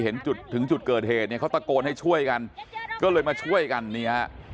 เห็นจุดถึงจุดเกิดเหตุเนี่ยเขาตะโกนให้ช่วยกันก็เลยมาช่วยกันนี่ฮะ